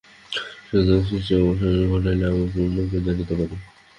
সুতরাং সৃষ্টির অবসান ঘটিলেই আমরা পূর্ণকে জানিতে পারি।